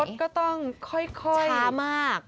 รถก็ต้องค่อยช้ามาก